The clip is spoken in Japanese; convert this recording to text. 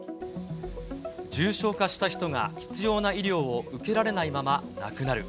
重症化した人が必要な医療を受けられないまま亡くなる。